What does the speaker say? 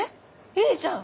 いいじゃん。